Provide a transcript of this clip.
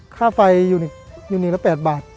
ค่าไฟยูนิกยูนิกละ๘บาท